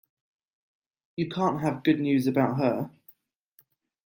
You can't have good news about her.